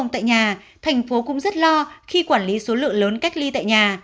thành phố cũng rất lo khi quản lý số lượng lớn cách ly tại nhà